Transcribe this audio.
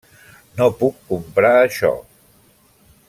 No puc comprar això.